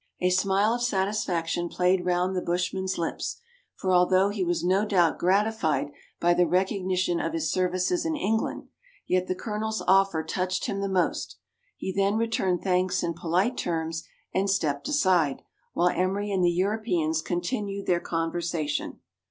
A smile of satisfaction played round the bushman's lips, for although he was no doubt gratified by the recognition of his services in England, yet the Colonel's offer touched him the most : he then returned thanks in polite terms, and stepped aside, while Emery and the Europeans continued their conversation.